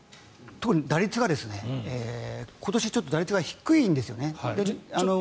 打率が、今年ちょっと打率が低いんですよね。